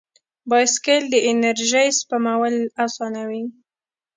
بایسکل د انرژۍ سپمول اسانوي.